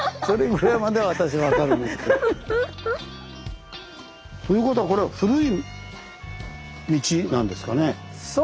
それぐらいまでは私分かるんですけど。